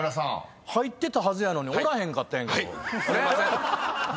入ってたはずやのにおらへんかったんやけど。